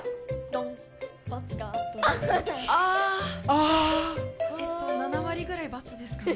あ７割ぐらい×ですかね。